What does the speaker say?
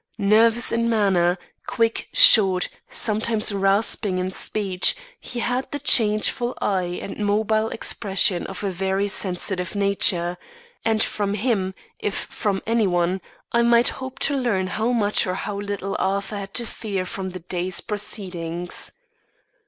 Nervous in manner, quick, short, sometimes rasping in speech, he had the changeful eye and mobile expression of a very sensitive nature; and from him, if from any one, I might hope to learn how much or how little Arthur had to fear from the day's proceedings.